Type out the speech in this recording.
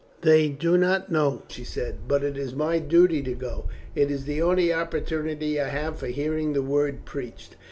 "They do not know," she said, "but it is my duty to go. It is the only opportunity I have for hearing the Word preached."